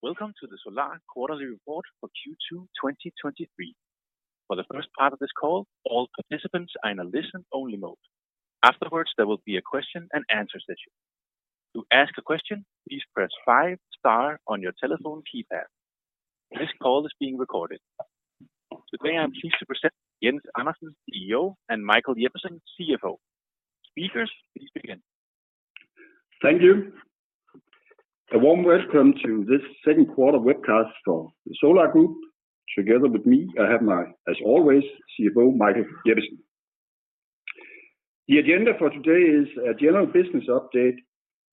Welcome to the Solar quarterly report for Q2 2023. For the first part of this call, all participants are in a listen-only mode. Afterwards, there will be a question and answer session. To ask a question, please press five star on your telephone keypad. This call is being recorded. Today, I'm pleased to present Jens Andersen, CEO, and Michael Jeppesen, CFO. Speakers, please begin. Thank you. A warm welcome to this second quarter webcast for the Solar Group. Together with me, I have my, as always, CFO, Michael Jeppesen. The agenda for today is a general business update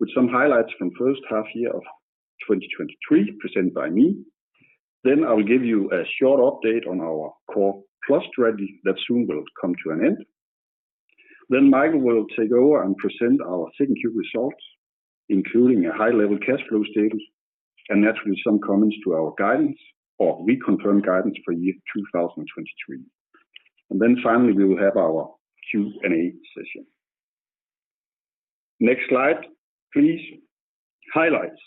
with some highlights from first half-year of 2023, presented by me. I will give you a short update on our Core Plus strategy that soon will come to an end. Michael will take over and present our second quarter results, including a high-level cash flow statement, and naturally, some comments to our guidance or reconfirmed guidance for year 2023. Finally, we will have our Q&A session. Next slide, please. Highlights.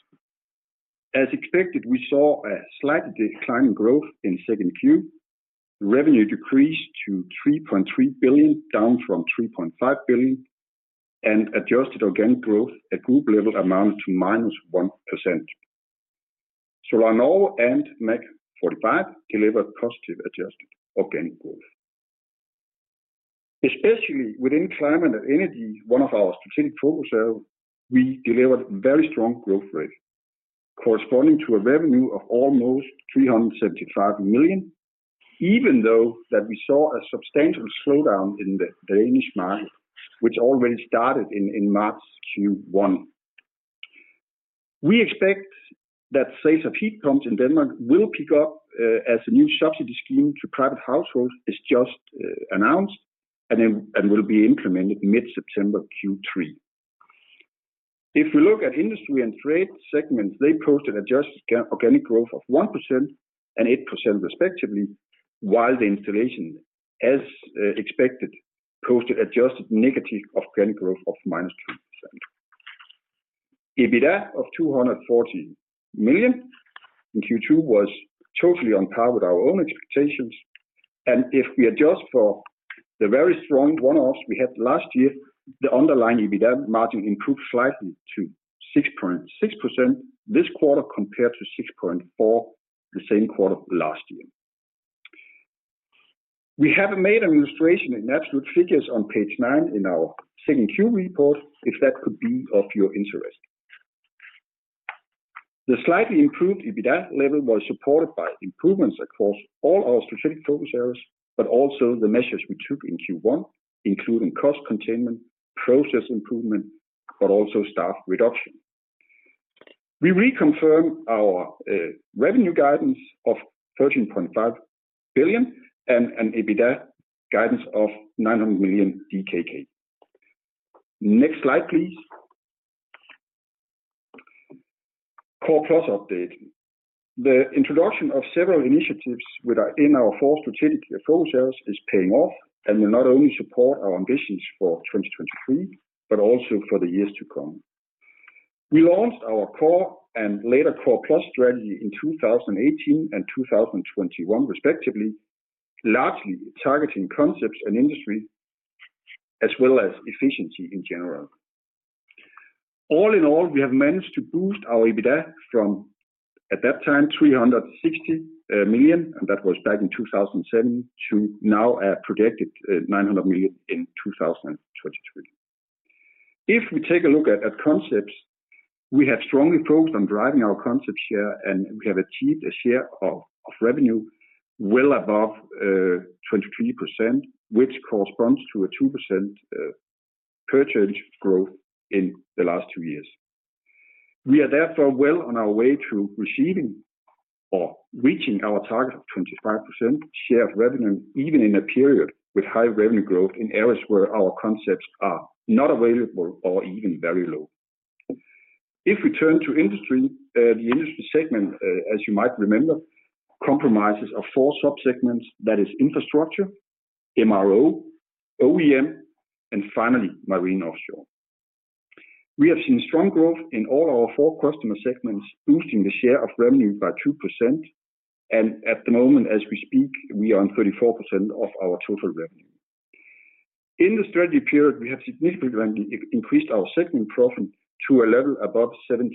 As expected, we saw a slight decline in growth in second quarter. Revenue decreased to 3.3 billion, down from 3.5 billion, and adjusted organic growth at group level amounted to -1%. SolarNow and MAG45 delivered positive adjusted organic growth. Especially within climate and energy, one of our strategic focus areas, we delivered very strong growth rate corresponding to a revenue of almost 375 million, even though that we saw a substantial slowdown in Denmark, which already started in, in March Q1. We expect that sales of heat pumps in Denmark will pick up as a new subsidy scheme to private households is just announced and will be implemented mid-September, Q3. If we look at industry and trade segments, they posted adjusted organic growth of 1% and 8%, respectively, while the installation, as expected, posted adjusted negative organic growth of -2%. EBITDA of 240 million in Q2 was totally on par with our own expectations, and if we adjust for the very strong one-offs we had last year, the underlying EBITDA margin improved slightly to 6.6% this quarter, compared to 6.4%, the same quarter last year. We have made an illustration in absolute figures on page nine in our second quarter report, if that could be of your interest. The slightly improved EBITDA level was supported by improvements across all our strategic focus areas, but also the measures we took in Q1, including cost containment, process improvement, but also staff reduction. We reconfirm our revenue guidance of 13.5 billion and EBITDA guidance of 900 million DKK. Next slide, please. Core Plus update. The introduction of several initiatives with our-- in our four strategic focus areas is paying off, and will not only support our ambitions for 2023, but also for the years to come. We launched our Core and later Core+ strategy in 2018 and 2021 respectively, largely targeting concepts and industry, as well as efficiency in general. All in all, we have managed to boost our EBITDA from, at that time, 360 million, and that was back in 2007, to now a projected 900 million in 2023. If we take a look at, at concepts, we have strongly focused on driving our concept share, and we have achieved a share of, of revenue well above 23%, which corresponds to a 2% purchase growth in the last two years. We are therefore well on our way to receiving or reaching our target of 25% share of revenue, even in a period with high revenue growth in areas where our concepts are not available or even very low. If we turn to industry, the industry segment, as you might remember, comprises of four subsegments, that is infrastructure, MRO, OEM, and finally, Marine Offshore. We have seen strong growth in all our four customer segments, boosting the share of revenue by 2%, and at the moment, as we speak, we are on 34% of our total revenue. In the strategy period, we have significantly increased our segment profit to a level above 17%.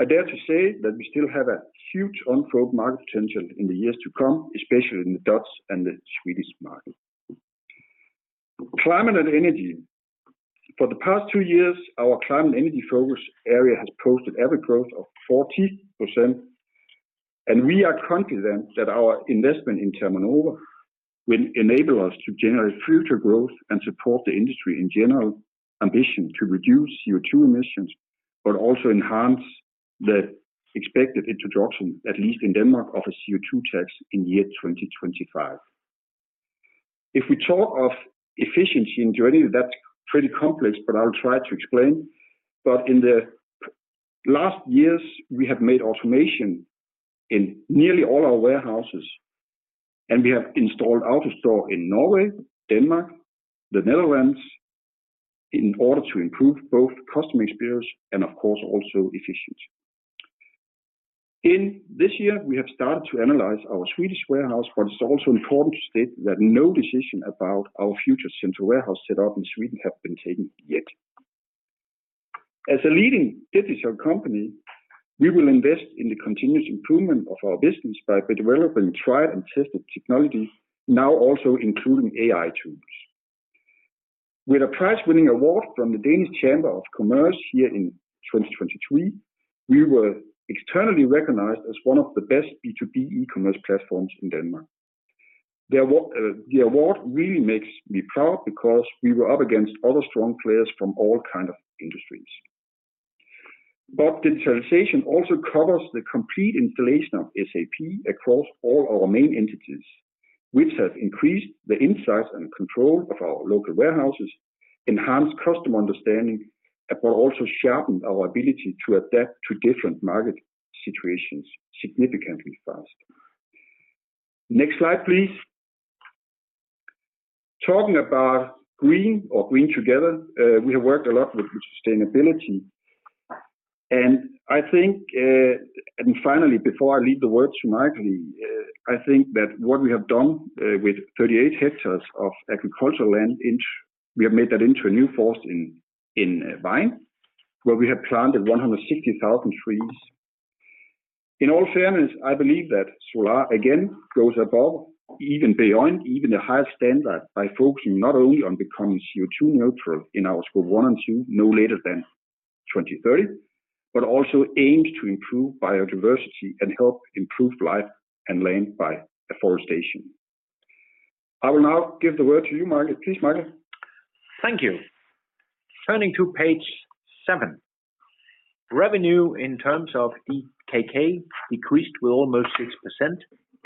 I dare to say that we still have a huge unfocused market potential in the years to come, especially in the Dutch and the Swedish market. Climate and energy. For the past two years, our climate and energy focus area has posted average growth of 40%. We are confident that our investment in ThermoNova will enable us to generate future growth and support the industry in general ambition to reduce CO₂ emissions, also enhance the expected introduction, at least in Denmark, of a CO₂ tax in 2025. If we talk of efficiency in journey, that's pretty complex, but I'll try to explain. In the last years, we have made automation in nearly all our warehouses. We have installed AutoStore in Norway, Denmark, the Netherlands, in order to improve both customer experience and, of course, also efficiency. In this year, we have started to analyze our Swedish warehouse, but it's also important to state that no decision about our future central warehouse set up in Sweden have been taken yet. As a leading digital company, we will invest in the continuous improvement of our business by developing tried and tested technologies, now also including AI tools. With a prize-winning award from the Danish Chamber of Commerce here in 2023, we were externally recognized as one of the best B2B e-commerce platforms in Denmark. The award, the award really makes me proud, because we were up against other strong players from all kind of industries. Digitalization also covers the complete installation of SAP across all our main entities, which has increased the insights and control of our local warehouses, enhanced customer understanding, but also sharpened our ability to adapt to different market situations significantly fast. Next slide, please. Talking about green or green together, we have worked a lot with sustainability, and I think, and finally, before I leave the word to Michael, I think that what we have done, with 38 hectares of agricultural land, we have made that into a new forest in Vejen, where we have planted 160,000 trees. In all fairness, I believe that Solar again, goes above, even beyond even the highest standard by focusing not only on becoming CO₂ neutral in our Scope one and two, no later than 2030, but also aimed to improve biodiversity and help improve life and land by afforestation. I will now give the word to you, Michael. Please, Michael. Thank you. Turning to page seven. Revenue in terms of DKK decreased with almost 6%,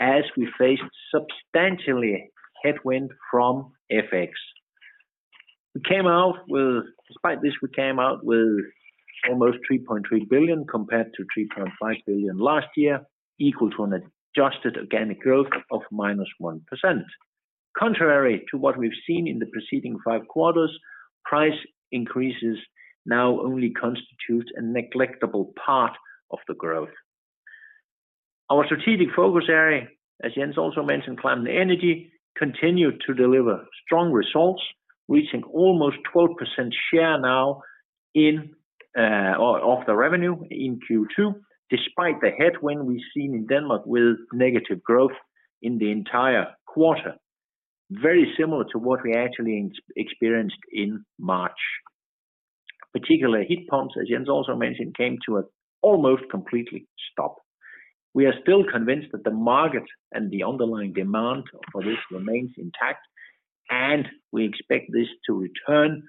as we faced substantially headwind from FX. Despite this, we came out with almost 3.3 billion, compared to 3.5 billion last year, equal to an adjusted organic growth of minus 1%. Contrary to what we've seen in the preceding five quarters, price increases now only constitute a negligible part of the growth. Our strategic focus area, as Jens also mentioned, climate and energy, continued to deliver strong results, reaching almost 12% share now of the revenue in Q2, despite the headwind we've seen in Denmark with negative growth in the entire quarter, very similar to what we actually experienced in March. Particularly, heat pumps, as Jens also mentioned, came to an almost completely stop. We are still convinced that the market and the underlying demand for this remains intact, we expect this to return,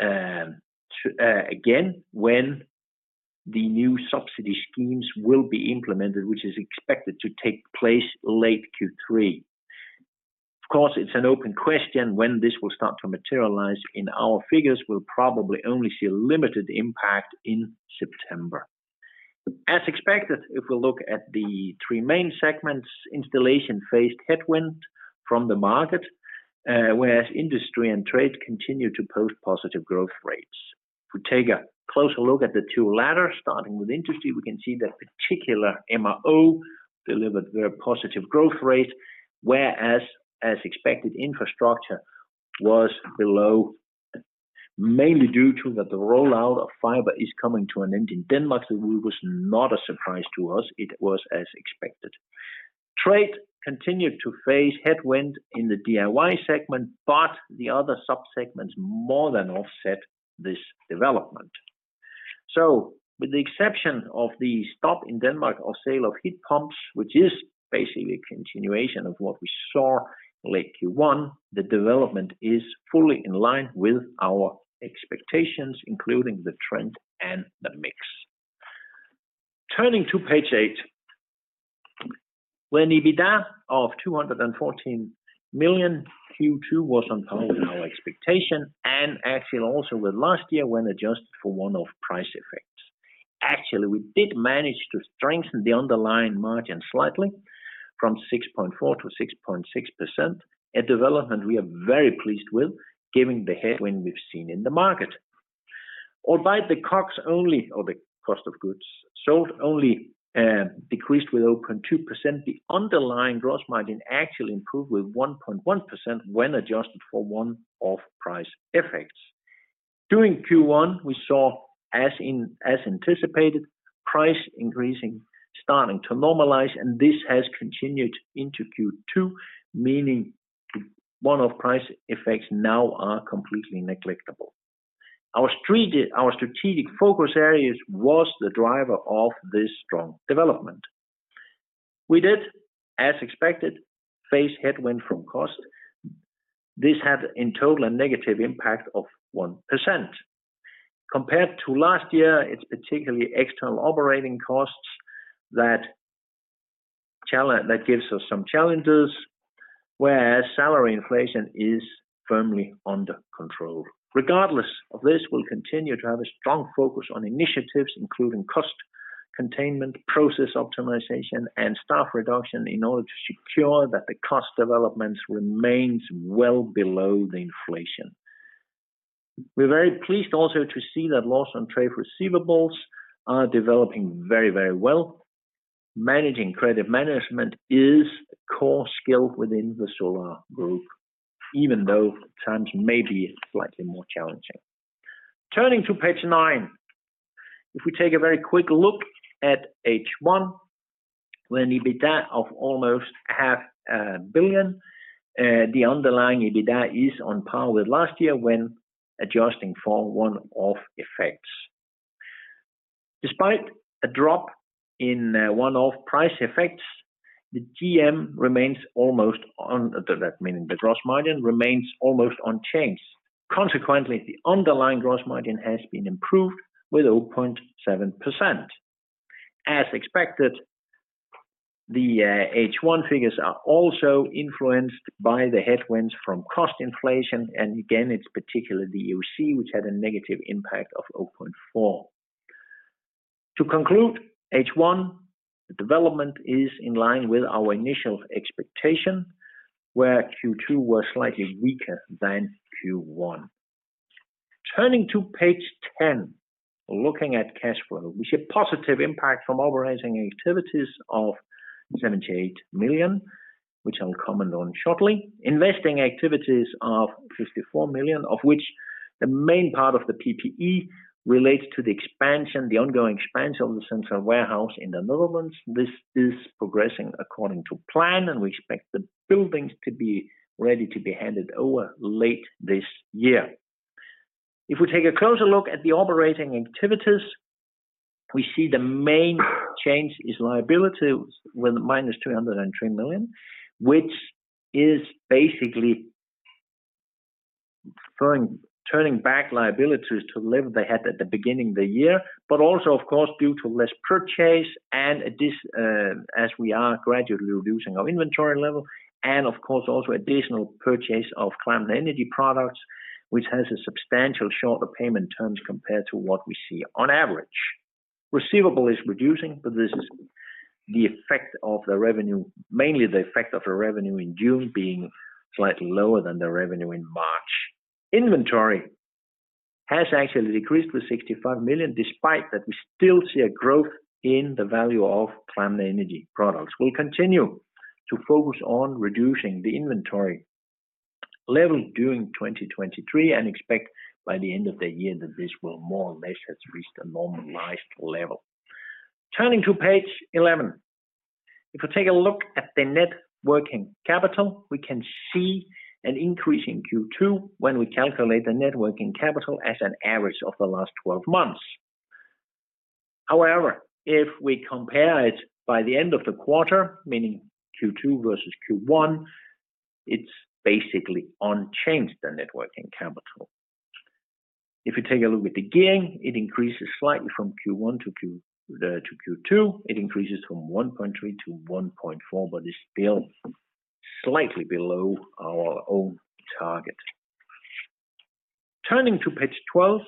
to, again, when the new subsidy schemes will be implemented, which is expected to take place late Q3. Of course, it's an open question when this will start to materialize, in our figures, we'll probably only see a limited impact in September. As expected, if we look at the three main segments, installation faced headwind from the market, whereas industry and trade continued to post positive growth rates. If we take a closer look at the two latter, starting with industry, we can see that particular MRO delivered very positive growth rate, whereas as expected, infrastructure was below, mainly due to that the rollout of fiber is coming to an end in Denmark. It was not a surprise to us, it was as expected. Trade continued to face headwind in the DIY segment. The other subsegments more than offset this development. With the exception of the stop in Denmark or sale of heat pumps, which is basically a continuation of what we saw late Q1, the development is fully in line with our expectations, including the trend and the mix. Turning to page eight, where EBITDA of 214 million Q2 was on par with our expectation and actually also with last year, when adjusted for one-off price effects. Actually, we did manage to strengthen the underlying margin slightly from 6.4% to 6.6%, a development we are very pleased with, giving the headwind we've seen in the market. Although the COGS only, or the cost of goods sold, only, decreased with 0.2%, the underlying gross margin actually improved with 1.1%, when adjusted for one-off price effects. During Q1, we saw, as in, as anticipated, price increasing, starting to normalize, and this has continued into Q2, meaning one-off price effects now are completely neglectable. Our strategic focus areas was the driver of this strong development. We did, as expected, face headwind from cost. This had in total a negative impact of 1%. Compared to last year, it's particularly external operating costs that gives us some challenges, whereas salary inflation is firmly under control. Regardless of this, we'll continue to have a strong focus on initiatives, including cost containment, process optimization, and staff reduction in order to secure that the cost developments remains well below the inflation. We're very pleased also to see that loss on trade receivables are developing very, very well. Managing credit management is a core skill within the Solar Group, even though times may be slightly more challenging. Turning to page nine, if we take a very quick look at H1, when EBITDA of almost 500 million, the underlying EBITDA is on par with last year when adjusting for one-off effects. Despite a drop in one-off price effects, the GM remains almost on-- that meaning, the gross margin remains almost unchanged. Consequently, the underlying gross margin has been improved with 0.7%. As expected, the H1 figures are also influenced by the headwinds from cost inflation, and again, it's particularly the UC, which had a negative impact of 0.4. To conclude, H1, the development is in line with our initial expectation, where Q2 was slightly weaker than Q1. Turning to page 10, looking at cash flow, we see a positive impact from operating activities of 78 million, which I'll comment on shortly. Investing activities of 54 million, of which the main part of the PPE relates to the expansion, the ongoing expansion of the central warehouse in the Netherlands. This is progressing according to plan, and we expect the buildings to be ready to be handed over late this year. If we take a closer look at the operating activities, we see the main change is liabilities, with minus 303 million, which is basically turning, turning back liabilities to the level they had at the beginning of the year. Also, of course, due to less purchase and this, as we are gradually reducing our inventory level, and of course, also additional purchase of climate energy products, which has a substantial shorter payment terms compared to what we see on average. Receivable is reducing, but this is the effect of the revenue, mainly the effect of the revenue in June being slightly lower than the revenue in March. Inventory has actually decreased to 65 million, despite that, we still see a growth in the value of climate energy products. We'll continue to focus on reducing the inventory level during 2023, and expect by the end of the year that this will more or less have reached a normalized level. Turning to page 11. If we take a look at the net working capital, we can see an increase in Q2 when we calculate the net working capital as an average of the last 12 months. However, if we compare it by the end of the quarter, meaning Q2 versus Q1, it's basically unchanged, the net working capital. If you take a look at the gearing, it increases slightly from Q1 to Q2. It increases from 1.3 to 1.4, but it's still slightly below our own target. Turning to page 12,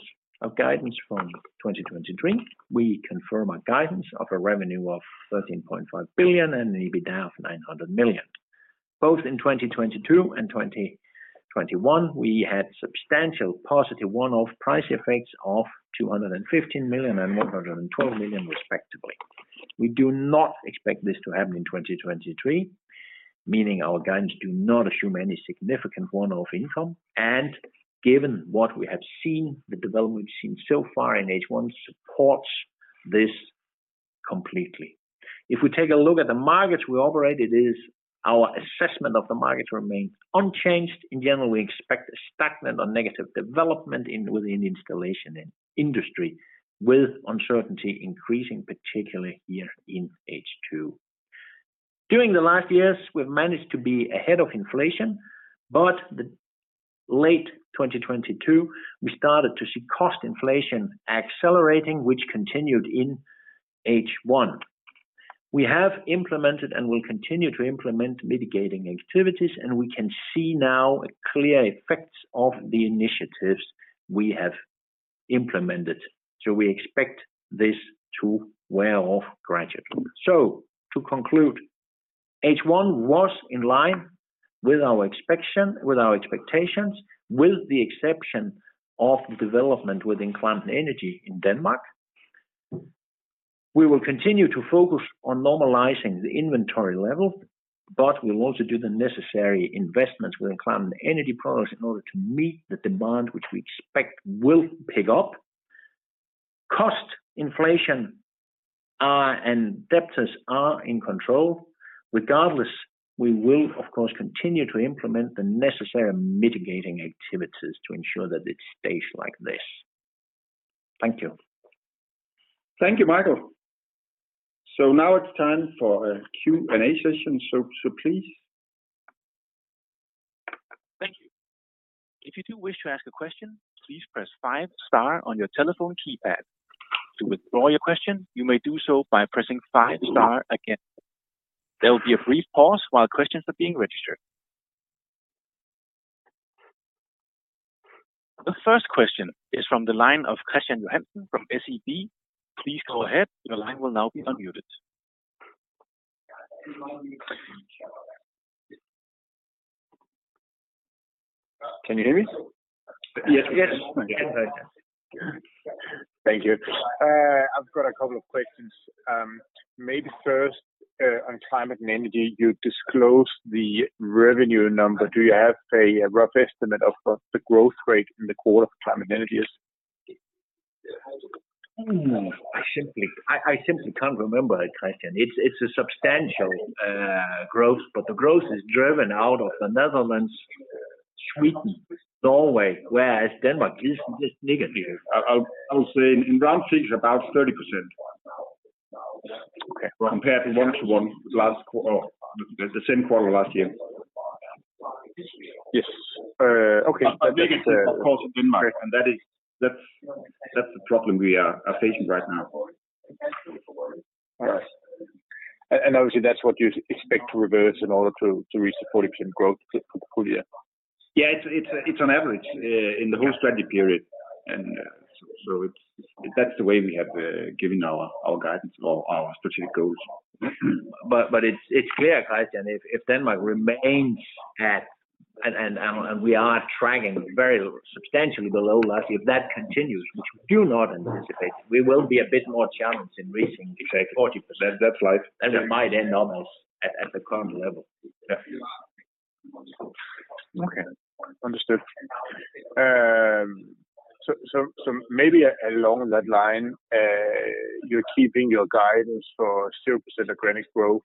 our guidance from 2023, we confirm our guidance of a revenue of 13.5 billion and an EBITDA of 900 million. Both in 2022 and 2021, we had substantial positive one-off price effects of 215 million and 112 million, respectively. We do not expect this to happen in 2023, meaning our guidance do not assume any significant one-off income, and given what we have seen, the development we've seen so far in H1 supports this completely. If we take a look at the markets we operate, it is our assessment of the markets remains unchanged. In general, we expect a stagnant or negative development in, within the installation and industry, with uncertainty increasing, particularly here in H2. During the last years, we've managed to be ahead of inflation, the late 2022, we started to see cost inflation accelerating, which continued in H1. We have implemented and will continue to implement mitigating activities, we can see now a clear effects of the initiatives we have implemented. We expect this to wear off gradually. To conclude, H1 was in line with our expectation, with our expectations, with the exception of development within climate energy in Denmark. We will continue to focus on normalizing the inventory level, we'll also do the necessary investments within climate energy products in order to meet the demand, which we expect will pick up. Cost inflation, debtors are in control. Regardless, we will, of course, continue to implement the necessary mitigating activities to ensure that it stays like this. Thank you. Thank you, Michael. Now it's time for a Q&A session. Please. Thank you. If you do wish to ask a question, please press five star on your telephone keypad. To withdraw your question, you may do so by pressing five star again. There will be a brief pause while questions are being registered... The first question is from the line of Christian Johansson from SEB. Please go ahead, your line will now be unmuted. Can you hear me? Yes. Yes. Thank you. I've got a couple of questions. Maybe first, on climate and energy, you disclosed the revenue number. Do you have a rough estimate of what the growth rate in the core of climate energy is? I simply can't remember that, Christian. It's a substantial growth, but the growth is driven out of the Netherlands, Sweden, Norway, whereas Denmark is just negative. I would say in round figures, about 30%. Okay. Compared to one to one last quarter, the same quarter last year. Yes. Okay. Negative, of course, in Denmark, and that's the problem we are facing right now. Right. obviously, that's what you expect to reverse in order to, to reach the 40% growth for the full year? Yeah, it's on average, in the whole strategy period. That's the way we have given our guidance for our strategic goals. It's clear, Christian, if Denmark remains at, and we are tracking very substantially below last year, if that continues, which we do not anticipate, we will be a bit more challenged in reaching the 40%. That, that's life. It might end almost at the current level. Definitely. Okay, understood. Maybe along that line, you're keeping your guidance for 0% organic growth.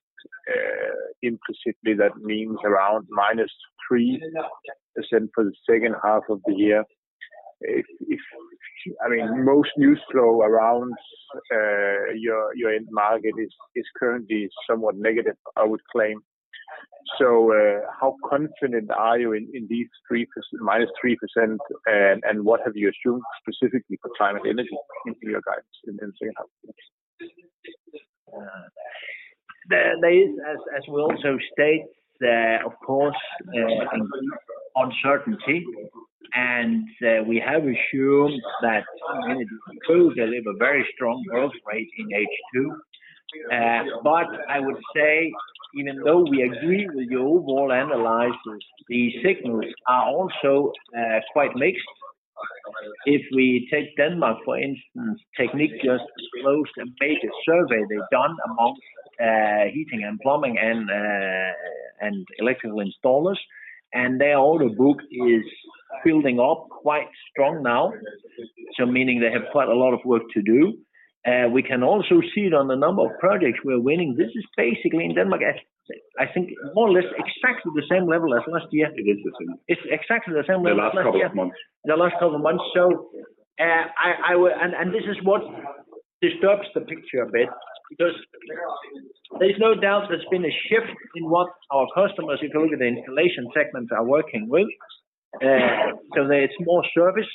Implicitly, that means around -3% for the second half of the year. If, if... I mean, most news flow around your, your end market is, is currently somewhat negative, I would claim. How confident are you in, in these 3%, -3%, and, and what have you assumed specifically for climate and energy in your guidance in the second half? There, there is, as, as we also state, there, of course, uncertainty, and we have assumed that energy will deliver very strong growth rate in H2. I would say, even though we agree with your overall analysis, the signals are also quite mixed. If we take Denmark, for instance, TEKNIQ just closed a major survey they've done amongst heating and plumbing and electrical installers, and their order book is building up quite strong now. Meaning they have quite a lot of work to do. We can also see it on the number of projects we're winning. This is basically in Denmark, I, I think, more or less exactly the same level as last year. It is the same. It's exactly the same level as last year. The last couple of months. The last couple of months. I would... This is what disturbs the picture a bit, because there's no doubt there's been a shift in what our customers, if you look at the installation segments, are working with. There's more service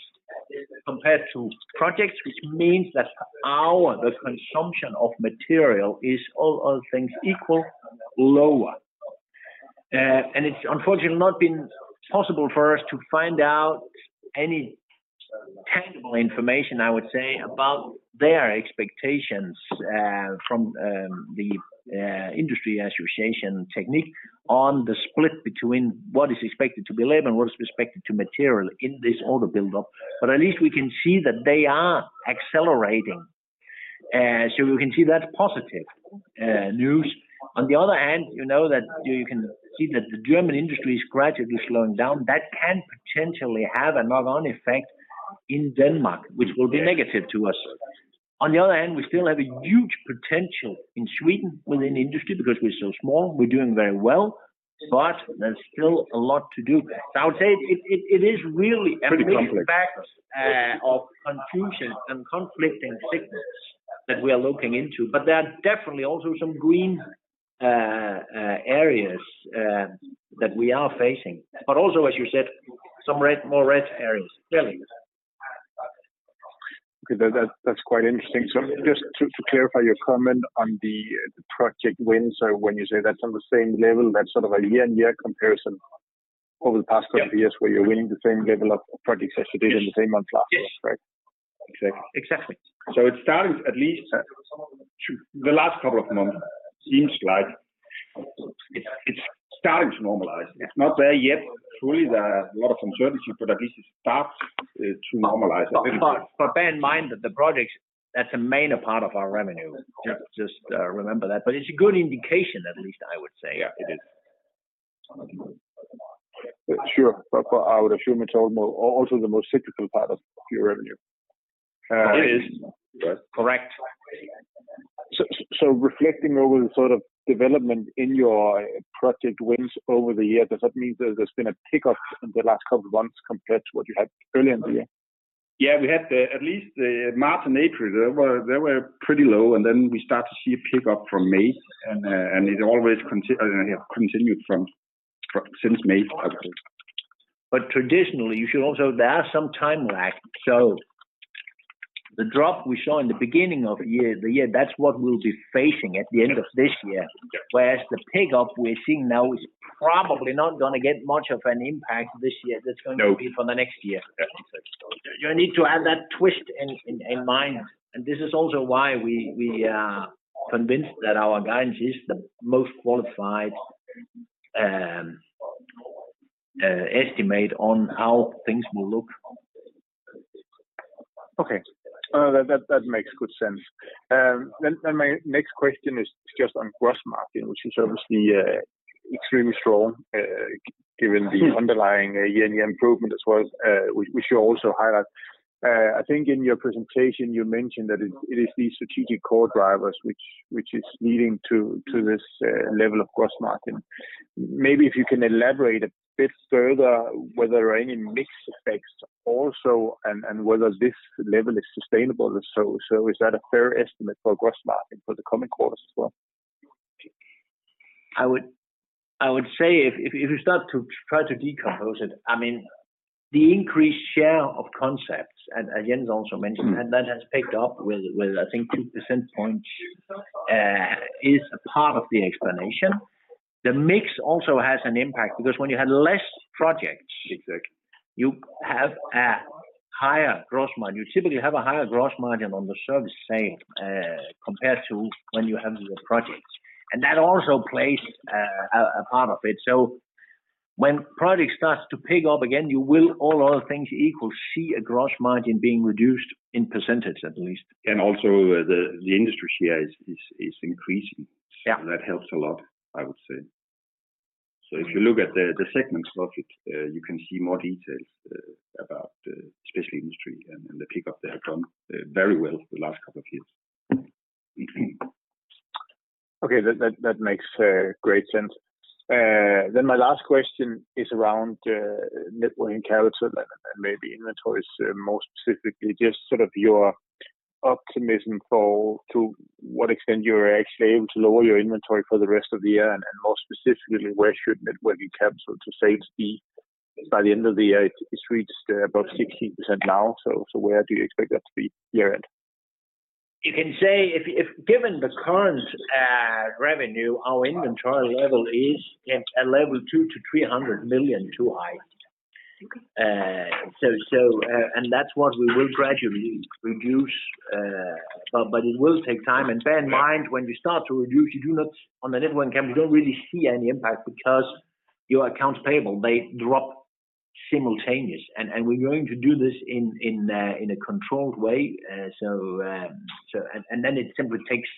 compared to projects, which means that our, the consumption of material is, all other things equal, lower. It's unfortunately not been possible for us to find out any tangible information, I would say, about their expectations from the industry association Techniek Nederland on the split between what is expected to be labor and what is expected to material in this order build-up. At least we can see that they are accelerating. We can see that's positive news. On the other hand, you know that you can see that the German industry is gradually slowing down, that can potentially have a knock-on effect in Denmark, which will be negative to us. On the other hand, we still have a huge potential in Sweden within industry, because we're so small, we're doing very well, but there's still a lot to do. I would say it is really. Pretty complex. a mixed bag of confusion and conflicting signals that we are looking into, but there are definitely also some green areas that we are facing, but also, as you said, some red, more red areas, clearly. Okay, that, that's quite interesting. Just to, to clarify your comment on the project wins, so when you say that's on the same level, that's sort of a year-on-year comparison over the past two years, where you're winning the same level of projects as you did in the same month last year, right? Exactly. It's starting at least. The last couple of months, seems like it's starting to normalize. It's not there yet. Truly, there is a lot of uncertainty, at least it starts to normalize a little bit. But bear in mind that the projects, that's a minor part of our revenue. Yeah. Just, remember that, but it's a good indication, at least I would say. Yeah, it is. Sure, but I would assume it's also, also the most cyclical part of your revenue. It is. Correct. Reflecting over the sort of development in your project wins over the year, does that mean there's been a pickup in the last couple of months compared to what you had earlier in the year? We had the, at least the March and April, they were, they were pretty low, and then we start to see a pickup from May, and it always continued from, from since May. Traditionally, you should also. There are some time lag. The drop we saw in the beginning of the year, the year, that's what we'll be facing at the end of this year. The pickup we're seeing now is probably not going to get much of an impact this year. No. That's going to be for the next year. You need to add that twist in, in, in mind. This is also why we, we are convinced that our guidance is the most qualified estimate on how things will look. Okay, that, that makes good sense. Then my next question is just on gross margin, which is obviously extremely strong, given the underlying year-on-year improvement as well, we, we should also highlight. I think in your presentation, you mentioned that it, it is these strategic core drivers which, which is leading to, to this, level of gross margin. Maybe if you can elaborate a bit further, whether there are any mix effects also, and, and whether this level is sustainable or so. Is that a fair estimate for gross margin for the coming quarters as well? I would, I would say if, if, if you start to try to decompose it, I mean, the increased share of concepts, and as Jens also mentioned, and that has picked up with, with I think two percentage points, is a part of the explanation. The mix also has an impact, because when you have less projects, you have a higher gross margin. You typically have a higher gross margin on the service sale, compared to when you have the projects, and that also plays a part of it. When projects starts to pick up again, you will, all other things equal, see a gross margin being reduced in percentage, at least. Also the, the industry share is, is, is increasing. Yeah. That helps a lot, I would say. If you look at the, the segments of it, you can see more details about especially industry and, and the pickup there have gone very well the last couple of years. Mm-hmm. Okay, that, that, that makes great sense. Then my last question is around net working capital and maybe inventories, more specifically, just sort of your optimism for, to what extent you're actually able to lower your inventory for the rest of the year. More specifically, where should net working capital to sales be by the end of the year? It's reached about 16% now, so, so where do you expect that to be year-end? You can say if, if given the current, revenue, our inventory level is at level 200-300 million too high. And that's what we will gradually reduce, but it will take time. Bear in mind, when you start to reduce, you do not, on the net working capital, you don't really see any impact because your accounts payable, they drop simultaneous, and we're going to do this in a controlled way. And then it simply takes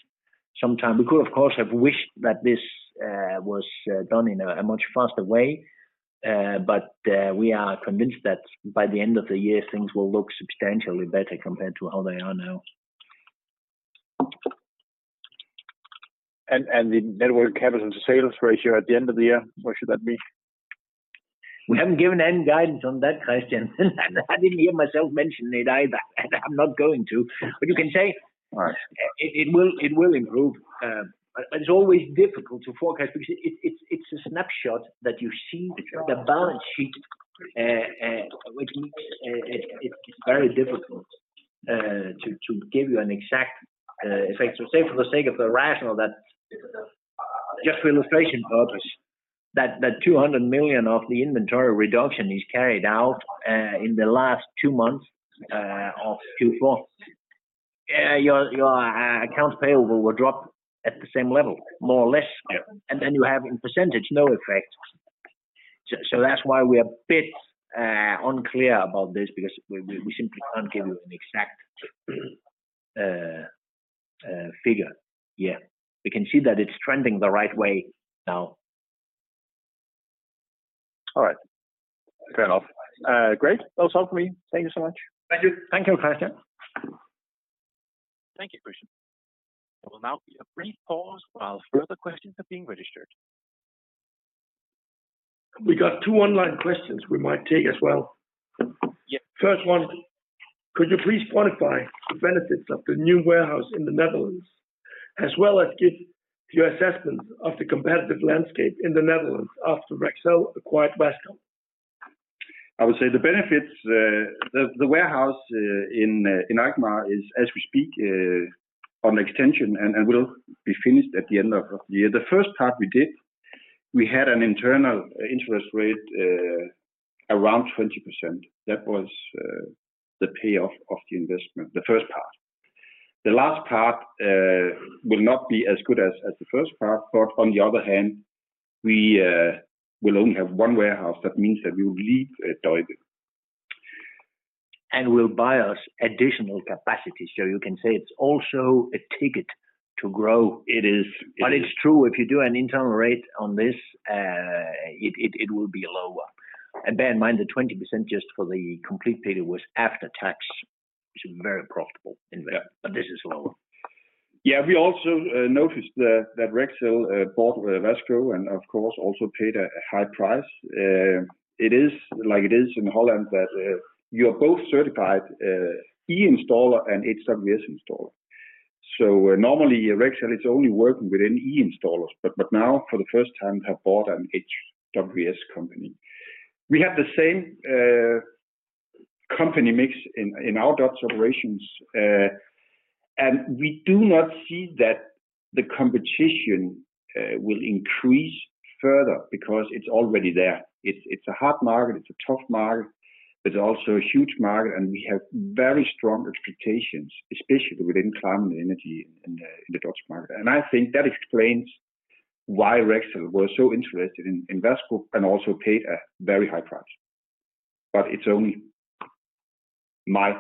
some time. We could, of course, have wished that this, was, done in a much faster way, but we are convinced that by the end of the year, things will look substantially better compared to how they are now. And the net working capital to sales ratio at the end of the year, where should that be? We haven't given any guidance on that, Christian. I didn't hear myself mention it either. I'm not going to. You can say- Right. it, it will, it will improve. It's always difficult to forecast because it, it's, it's a snapshot that you see the balance sheet, which makes it, it, it's very difficult to give you an exact effect. Say, for the sake of the rational, that just for illustration purpose, that 200 million of the inventory reduction is carried out in the last two months of Q4. Your, your accounts payable will drop at the same level, more or less, and then you have in percentage, no effect. That's why we are a bit unclear about this, because we, we, we simply can't give you an exact figure. Yeah, we can see that it's trending the right way now. All right. Fair enough. Great. That's all for me. Thank you so much. Thank you. Thank you, Christian. Thank you, Christian. There will now be a brief pause while further questions are being registered. We got two online questions we might take as well. Yeah. First one: Could you please quantify the benefits of the new warehouse in the Netherlands, as well as give your assessment of the competitive landscape in the Netherlands after Rexel acquired Wasco? I would say the benefits, the, the warehouse in Alkmaar is, as we speak, on extension and will be finished at the end of the year. The first part we did, we had an internal interest rate around 20%. That was the payoff of the investment, the first part. The last part will not be as good as the first part, but on the other hand, we will only have one warehouse. That means that we will leave Doetinchem. Will buy us additional capacity. You can say it's also a ticket to grow. It is. It's true, if you do an internal rate on this, it will be lower. Bear in mind, the 20% just for the complete payday was after tax, which is very profitable investment. Yeah. This is lower. Yeah, we also noticed that Rexel bought Wasco and, of course, also paid a high price. It is like it is in Holland, that you are both certified En-installatør and VVS installer. Normally, Rexel is only working with En-installatør, but now for the first time, have bought an HWS company. We have the same company mix in our Dutch operations, and we do not see that the competition will increase further because it's already there. It's a hard market, it's a tough market, but also a huge market, and we have very strong expectations, especially within climate and energy in the Dutch market. I think that explains why Rexel was so interested in Basco and also paid a very high price. But it's only my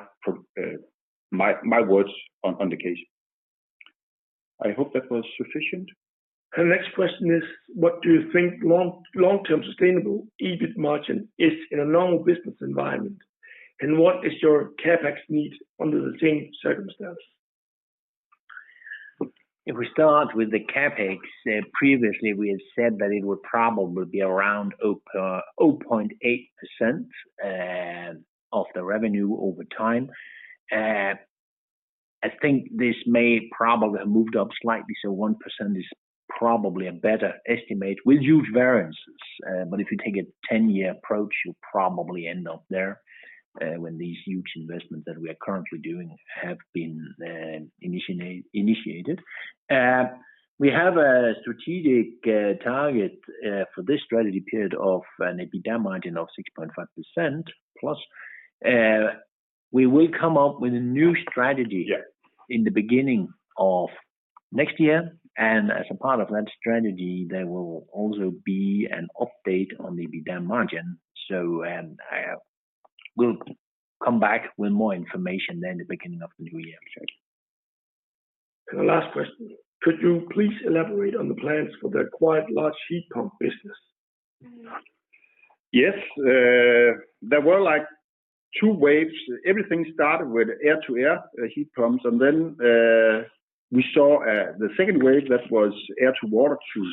words on the case. I hope that was sufficient. The next question is, what do you think long, long-term sustainable EBIT margin is in a normal business environment, and what is your CapEx need under the same circumstances? If we start with the CapEx, previously, we had said that it would probably be around 0.8% of the revenue over time. I think this may probably have moved up slightly, so 1% is probably a better estimate with huge variances. If you take a 10-year approach, you'll probably end up there when these huge investments that we are currently doing have been initiated. We have a strategic target for this strategy period of an EBITDA margin of +6.5%. We will come up with a new strategy in the beginning of next year, as a part of that strategy, there will also be an update on the EBITDA margin. I, we'll come back with more information then the beginning of the new year. The last question: Could you please elaborate on the plans for the quite large heat pump business? Yes, there were, like, two waves. Everything started with air-to-air heat pumps, and then we saw the second wave that was air-to-water to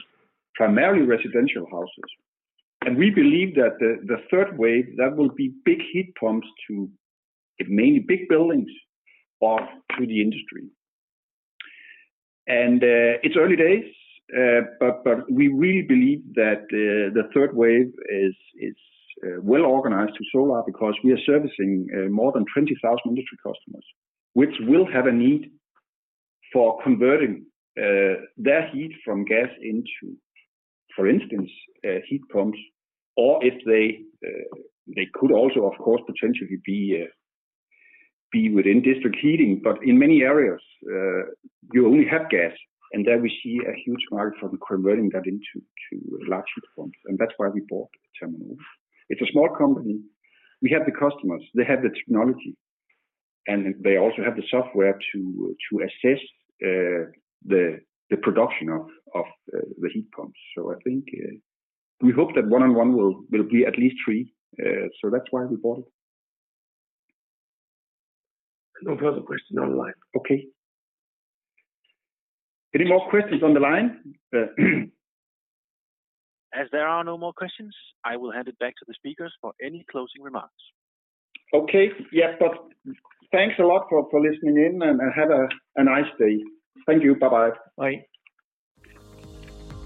primarily residential houses. We believe that the, the third wave, that will be big heat pumps to mainly big buildings or to the industry. It's early days, but we really believe that the, the third wave is, is well organized to Solar, because we are servicing more than 20,000 industry customers, which will have a need for converting their heat from gas into, for instance, heat pumps, or if they, they could also, of course, potentially be within district heating. In many areas, you only have gas, and there we see a huge market for converting that into, to large heat pumps, and that's why we bought ThermoNova. It's a small company. We have the customers, they have the technology, and they also have the software to, to assess, the, the production of, of, the heat pumps. I think, we hope that one-on-one will, will be at least three, so that's why we bought it. No further questions on the line. Okay. Any more questions on the line? As there are no more questions, I will hand it back to the speakers for any closing remarks. Okay. Yes, thanks a lot for, for listening in, and, have a, a nice day. Thank you. Bye-bye. Bye.